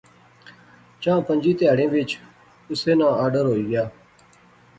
چاں پنجیں تہاڑیں وچ اسے ناں آرڈر ہوئی گیا